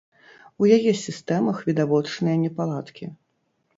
У яе сістэмах відавочныя непаладкі.